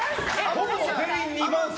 ほぼ全員２番説。